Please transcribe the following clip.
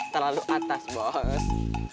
terlalu atas bos